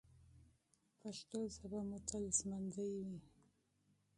پښتو ژبه مو تل ژوندۍ وي.